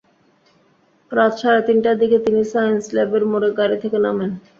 রাত সাড়ে তিনটার দিকে তিনি সায়েন্স ল্যাবের মোড়ে গাড়ি থেকে নামেন।